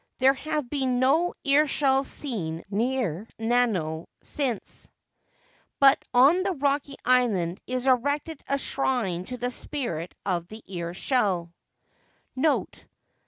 There have been no ear shells seen near Nanao since, 280 The Temple of the Awabi but on the rocky island is erected a shrine to the spirit of the ear shell. NOTE.